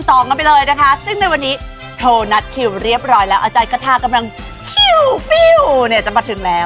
โทนัทคิวเรียบร้อยแล้วอาจารย์คะทากำลังชิ่วเนี่ยจะมาถึงแล้ว